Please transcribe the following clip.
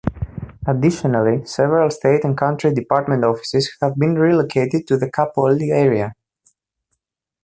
Additionally, several state and county department offices have been relocated to the Kapolei area.